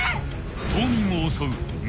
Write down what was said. ［島民を襲う］